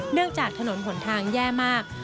เนื่องจากถนนผลทางแย่มาก